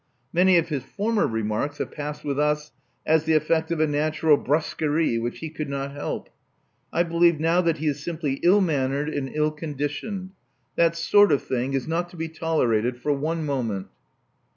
Many of his former remarks have passed with us as the effect of a natural brusquerie^ which he could not help. I believe now that he is simply ill mannered and ill conditioned. That sort of thing is not to be tolerated for one moment."